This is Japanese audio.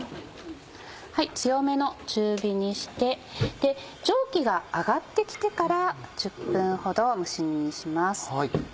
強めの中火にして蒸気が上がって来てから１０分ほど蒸し煮にします。